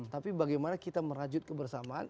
tapi bagaimana kita merajut kebersamaan